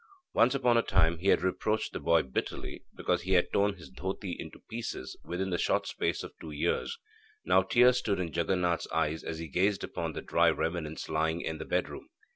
Once upon a time he had reproached the boy bitterly because he had torn his dhoti into pieces within the short space of two years; now tears stood in Jaganath's eyes as he gazed upon the dirty remnants lying in the bedroom.